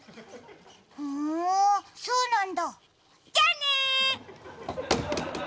ふうん、そうなんだ、じゃあね！